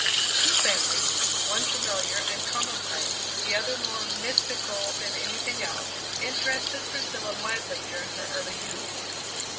Two families, one familiar and commonplace, the other more mystical than anything else, interested Priscilla mightily during her early youth.